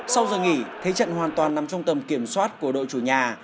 sau giờ nghỉ thế trận hoàn toàn nằm trong tầm kiểm soát của đội chủ nhà